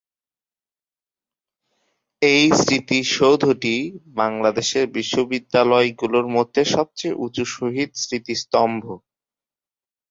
এই স্মৃতিসৌধটি বাংলাদেশের বিশ্ববিদ্যালয়গুলোর মধ্যে সবচেয়ে উচু শহীদ স্মৃতিস্তম্ভ।